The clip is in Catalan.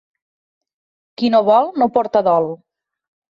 Qui no vol, no porta dol.